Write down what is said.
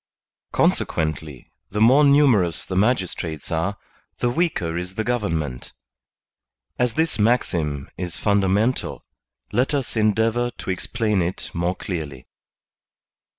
Consequently, the more numerous the magistrates are, the weaker is the government. As this maxim is funda mental, let us endeavor to explain it more clearly.